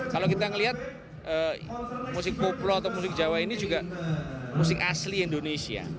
kalau kita melihat musik koplo atau musik jawa ini juga musik asli indonesia